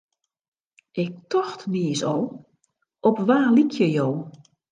Ik tocht niis al, op wa lykje jo?